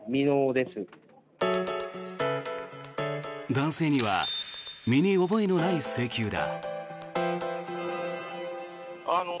男性には身に覚えのない請求だ。